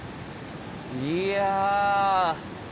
いや。